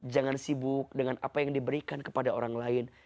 jangan sibuk dengan apa yang diberikan kepada orang lain